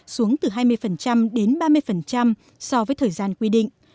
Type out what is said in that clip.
xuống từ hai mươi đến ba mươi so với thời gian quy định